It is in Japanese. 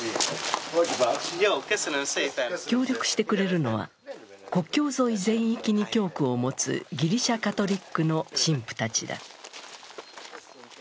協力してくれるのは国境沿い全域に教区を持つギリシャ・カトリックの神父たちだ